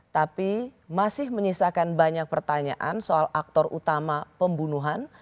tapi masih menyisakan banyak pertanyaan soal aktor utama pembunuhan